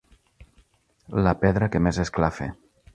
La pedra que més esclafa.